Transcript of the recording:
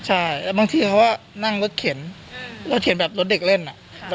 ใช่แล้วบางทีเขาก็นั่งรถเข็นรถเข็นแบบรถเด็กเล่นอ่ะ